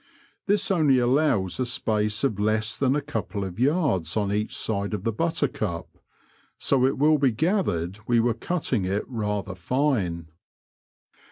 This only allows a space of less than a couple of yards on each side of the Buttercup ; so it will be gathered we were cutting it rather fine.